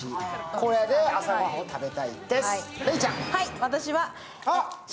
これで朝ごはんを食べたいです。